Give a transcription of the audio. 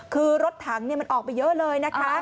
คือรถถังมันออกไปเยอะเลยนะคะ